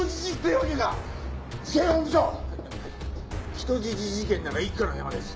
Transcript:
人質事件なら一課のヤマです。